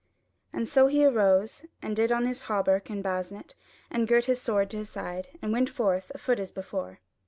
And he arose and did on his hauberk and basnet, and girt his sword to his side, and went forth, a foot as before.